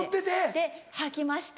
で履きました。